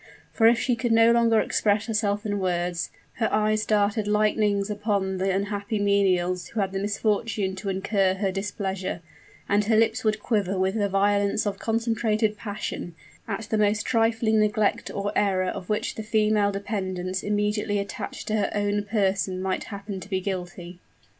For if she could no longer express herself in words, her eyes darted lightnings upon the unhappy menials who had the misfortune to incur her displeasure; and her lips would quiver with the violence of concentrated passion, at the most trifling neglect or error of which the female dependents immediately attached to her own person might happen to be guilty.